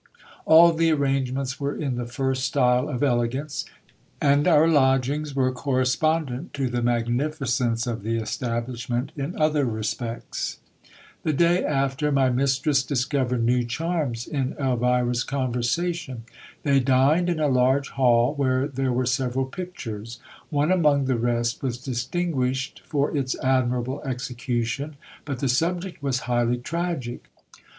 All the arrange ments were in the first style of elegance, and our lodgings were correspondent to the magnificence of the establishment in other respects. The day after, my mistress discovered new charms in Elvira's conversation. They dined in a large hall, where there were several pictures. One among the rest was distinguished for its admirable execution, but the subject was highly tragic.